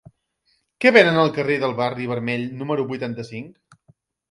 Què venen al carrer del Barri Vermell número vuitanta-cinc?